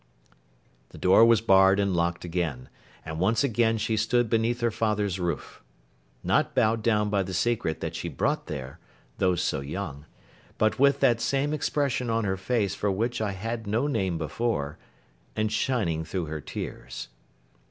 The door was barred and locked again, and once again she stood beneath her father's roof. Not bowed down by the secret that she brought there, though so young; but, with that same expression on her face for which I had no name before, and shining through her tears.